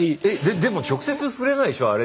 でも直接触れないでしょうあれ。